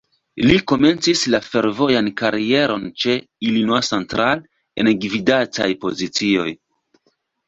Li komencis la fervojan karieron ĉe "Illinois Central", en gvidantaj pozicioj.